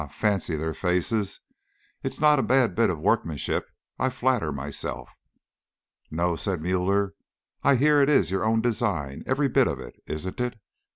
fancy their faces! It's not a bad bit of workmanship, I flatter myself." "No," said Müller. "I hear it is your own design, every bit of it, isn't it?"